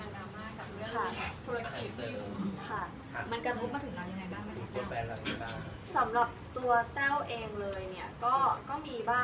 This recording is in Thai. ซึ่งเราก็คิดว่ามันก็เป็นความที่ชอบของเราที่เราก็ยังต้องทำแล้วเราก็ไม่ได้คิดจะอะไรเพราะว่าไม่ได้มีปัญหา